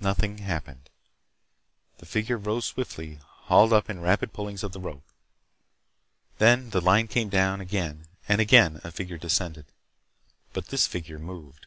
Nothing happened. The figure rose swiftly, hauled up in rapid pullings of the rope. Then the line came down again and again a figure descended. But this figure moved.